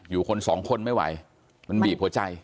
อยู่คนสองคนไม่ไหวมันบีบหัวใจ